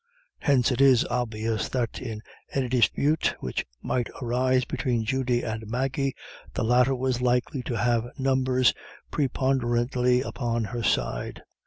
Hence it is obvious that in any dispute which might arise between Judy and Maggie, the latter was likely to have numbers preponderantly upon her side.